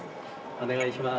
お願いします。